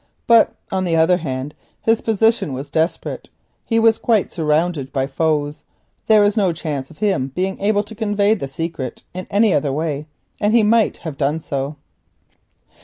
But, on the other hand, his position was desperate; he was quite surrounded by foes; there was no chance of his being able to convey the secret in any other way, and he might have done so.